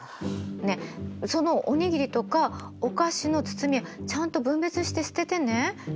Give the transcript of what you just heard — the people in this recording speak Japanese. ねっそのお握りとかお菓子の包みはちゃんと分別して捨ててね。